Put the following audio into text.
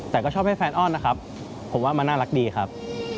แต่ก็ชอบให้แฟนอ้อนนะครับผมว่ามันน่ารักดีครับ